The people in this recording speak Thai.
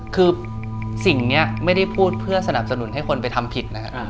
คือสิ่งนี้ไม่ได้พูดเพื่อสนับสนุนให้คนไปทำผิดนะฮะ